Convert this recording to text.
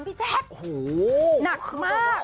พี่แจ๊คหนักมาก